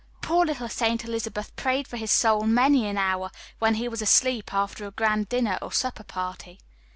Poor little Saint Elizabeth prayed for his soul many an hour when he was asleep after a grand dinner or supper party.